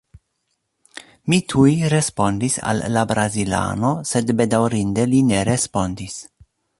Mi tuj respondis al la brazilano, sed bedaŭrinde li ne respondis.